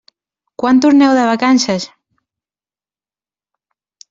Quan torneu de vacances?